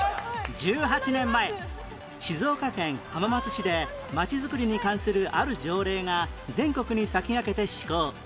１８年前静岡県浜松市でまちづくりに関するある条例が全国に先駆けて施行